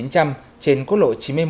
trên quốc lộ chín mươi một